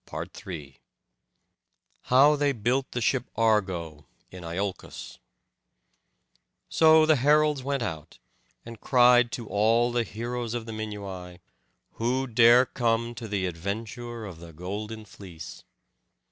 PART III How They Built the Ship Argo in Iolcos So the heralds went out, and cried to all the heroes of the Minuai, "Who dare come to the adventure of the golden fleece?"